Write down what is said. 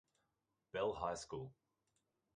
Bell High School.